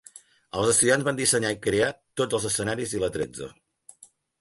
Els estudiants van dissenyar i crear tots els escenaris i l'atrezzo.